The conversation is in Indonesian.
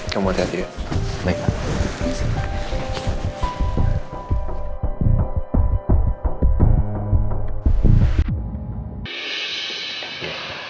kamu hati hati ya baik pak